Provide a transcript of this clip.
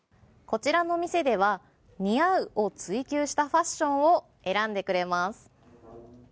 こちらの店では似合うを追求したファッションを選んでくれます。